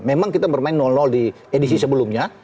memang kita bermain di edisi sebelumnya